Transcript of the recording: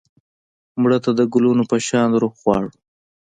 مړه ته د ګلونو په شان روح غواړو